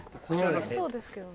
おいしそうですけどね。